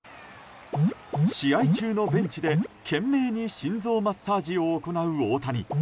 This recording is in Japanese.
試合中のベンチで、懸命に心臓マッサージを行う大谷。